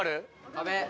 「壁！」